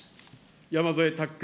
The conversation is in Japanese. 山添拓君。